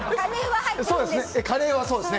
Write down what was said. カレーはそうですね。